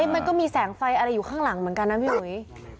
มันก็มีแสงไฟอะไรอยู่ข้างหลังเหมือนกันนะพี่หุย